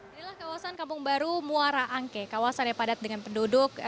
inilah kawasan kampung baru muara angke kawasan yang padat dengan penduduk